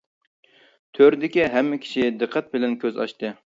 تۆردىكى ھەممە كىشى، دىققەت بىلەن كۆز ئاچتى.